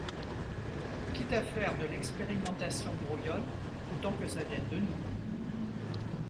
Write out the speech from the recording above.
Quitte à faire de l’expérimentation brouillonne, autant que ça vienne de nous.